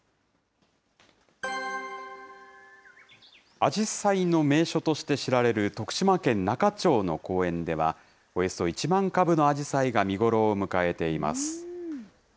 アジサイの名所として知られる、徳島県那賀町の公園では、およそ１万株のアジサイが見頃を迎えています。